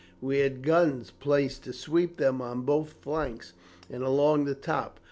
We had guns placed to sweep them on both flanks and along the top.